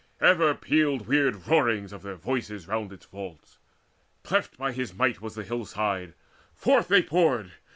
Ever pealed Weird roarings of their voices round its vaults. Cleft by his might was the hill side; forth they poured.